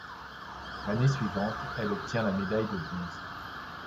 L'année suivante, elle obtient la médaille de bronze.